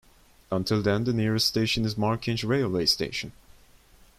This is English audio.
Until then, the nearest station is Markinch railway station.